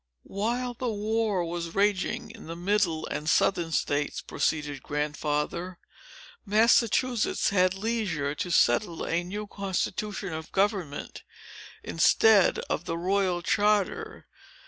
"While the war was raging in the Middle and Southern States," proceeded Grandfather, "Massachusetts had leisure to settle a new constitution of government, instead of the royal charter.